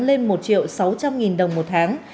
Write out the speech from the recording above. lên một triệu sáu trăm linh đồng một tháng